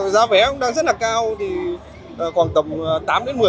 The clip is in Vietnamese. giá vé cũng đang rất là cao khoảng tầm tám một mươi triệu